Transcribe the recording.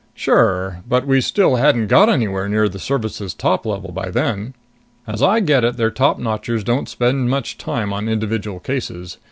"Sure. But we still hadn't got anywhere near the Service's top level then. As I get it, their topnotchers don't spend much time on individual cases.